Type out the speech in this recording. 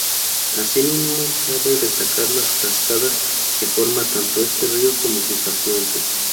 Asimismo cabe destacar las cascadas que forma tanto este río como sus afluentes.